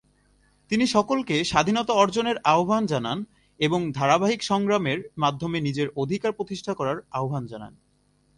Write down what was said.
তিনি সকলকে স্বাধীনতা অর্জনের আহ্বান জানান এবং ধারাবাহিক সংগ্রামের মাধ্যমে নিজের অধিকার প্রতিষ্ঠা করার আহ্বান জানান।